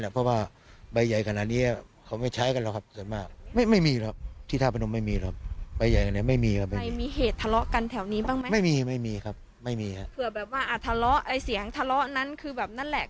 เผื่อแบบว่าทะเลาะไอ้เสียงทะเลาะนั้นคือแบบนั่นแหละ